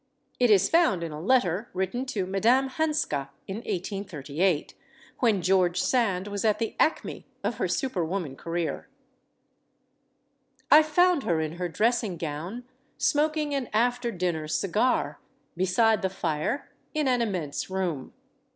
It is found in a letter written to Madame Hanska in 1838, when George Sand was at the acme of her super woman career: I found her in her dressing gown, smoking an after dinner cigar, beside the fire in an immense room.